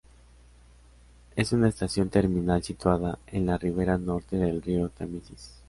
Es una estación terminal situada en la ribera norte del río Támesis.